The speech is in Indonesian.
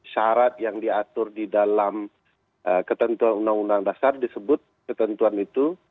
syarat yang diatur di dalam ketentuan undang undang dasar disebut ketentuan itu